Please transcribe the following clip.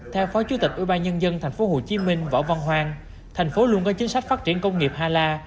theo phó chủ tịch ubnd tp hcm võ văn hoàng thành phố luôn có chính sách phát triển công nghiệp hala